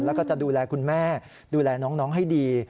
แล้วก็จะดูแลคุณแม่ดูแลน้องให้ดี